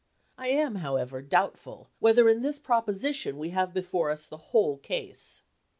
I am, however, doubtful whether in this proposition we have before us the whole case.